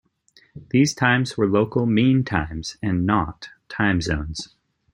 These times were local mean times and not time zones.